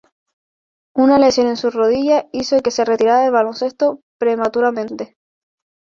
Una lesión en su rodilla hizo que se retirara del baloncesto prematuramente.